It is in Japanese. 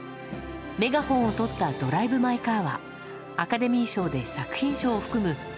メガホンをとったドライブ・マイ・カーは、アカデミー賞で作品賞を含む